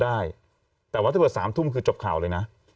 ได้แต่ว่าถ้าเกิด๓ทุ่มคือจบข่าวเลยนะ